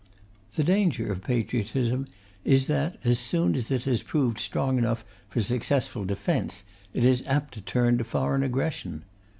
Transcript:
The danger of patriotism is that, as soon as it has proved strong enough for successful defence, it is apt to turn to foreign aggression.